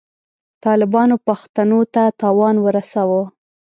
طالبانو پښتنو ته تاوان ورساوه.